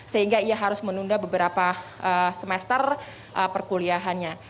sehingga ia harus menunda beberapa semester perkuliahannya